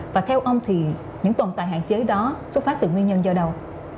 và theo ông thì những tồn tại hạn chế đó xuất phát từ nguyên nhân do đâu